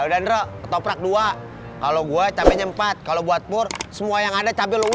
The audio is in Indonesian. udah ngepot rap dua kalau gue capeknya empat kalau buat pur semua yang ada capek